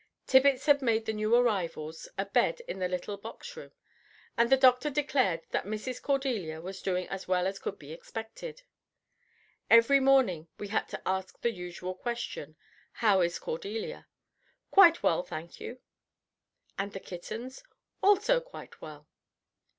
Tibbits had made the new arrivals a bed in the little box room, and the doctor declared that Mrs. Cordelia was doing as well as could be expected. Every morning we had asked the usual question: "How is Cordelia?" "Quite well, thank you." "And the kittens?" "Also quite well."